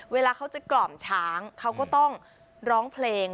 เวลาเขาจะกล่อมช้างเขาก็ต้องร้องเพลง